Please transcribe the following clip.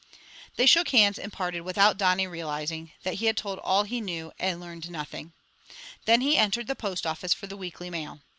They shook hands and parted without Dannie realizing that he had told all he knew and learned nothing. Then he entered the post office for the weekly mail.